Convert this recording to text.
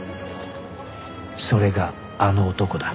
それがあの男だ